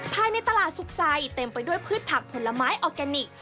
ภายในตลาดสุขใจเต็มไปด้วยพืชผักผลไม้ออร์แกนิค